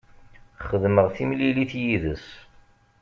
Xedmeɣ timlilit yid-s.